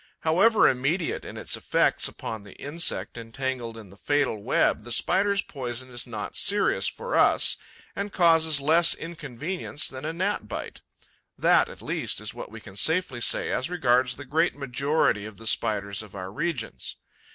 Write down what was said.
However immediate in its effects upon the insect entangled in the fatal web, the Spider's poison is not serious for us and causes less inconvenience than a Gnat bite. That, at least, is what we can safely say as regards the great majority of the Spiders of our regions.